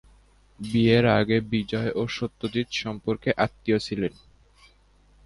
বিয়ের আগে বিজয় ও সত্যজিৎ সম্পর্কে আত্মীয় ছিলেন।